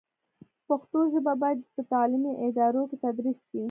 پښتو ژبه باید په تعلیمي ادارو کې تدریس شي.